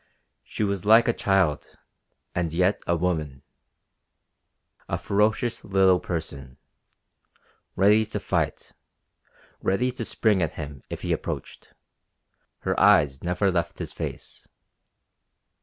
She was like a child, and yet a woman. A ferocious little person. Ready to fight. Ready to spring at him if he approached. Her eyes never left his face.